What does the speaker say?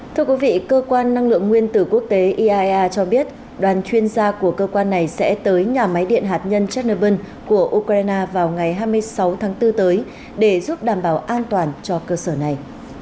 thưa quý vị cơ quan năng lượng nguyên tử quốc tế iaea cho biết đoàn chuyên gia của cơ quan này sẽ tới nhà máy điện hạt nhân chernnebyl của ukraine vào ngày hai mươi sáu tháng bốn tới để giúp đảm bảo an toàn cho cơ sở này